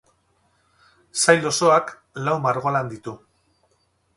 Sail osoak lau margolan ditu.